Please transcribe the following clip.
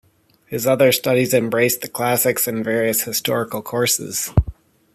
His other studies embraced the Classics and various historical courses.